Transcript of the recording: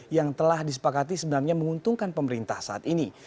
yang telah disepakati sebenarnya menguntungkan pemerintah saat ini